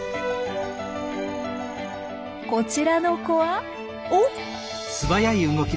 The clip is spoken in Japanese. こちらの子はおっ？